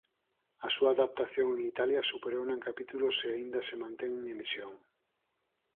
A súa adaptación en Italia superouna en capítulos e aínda se mantén en emisión.